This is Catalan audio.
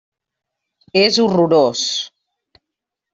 És horrorós.